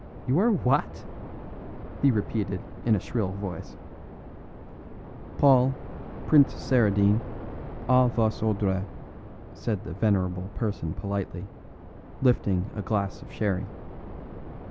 "You are what?" he repeated in a shrill voice. "Paul, Prince Saradine, A vos ordres," said the venerable person politely, lifting a glass of sherry.